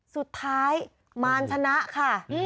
สุดท้ายมารชนะค่ะ